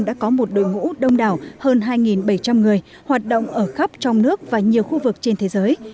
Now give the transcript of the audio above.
đã có một đội ngũ đông đảo hơn hai bảy trăm linh người hoạt động ở khắp trong nước và nhiều khu vực trên thế giới